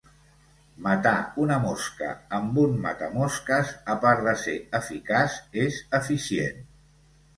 Matar una mosca amb un matamosques, a part de ser eficaç és eficient.